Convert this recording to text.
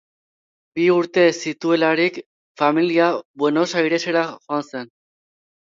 Bi urte zituelarik familia Buenos Airesera joan zen.